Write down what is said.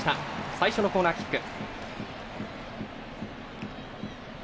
最初のコーナーキック。